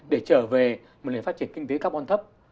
để trở về một nền phát triển kinh tế carbon thấp